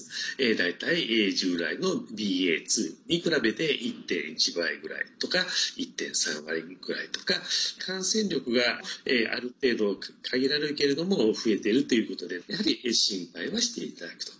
大体、従来のＢＡ．２に比べて１．１倍ぐらいとか１．３倍ぐらいとか感染力がある程度限られるけれども増えているということでやはり心配はしていただくと。